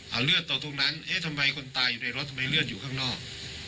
เอาเลือดต่อตรงนั้นเอ๊ะทำไมคนตายอยู่ในรถทำไมเลือดอยู่ข้างนอก